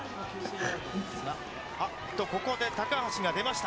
ここで高橋が出ました。